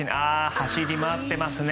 走り回ってますね。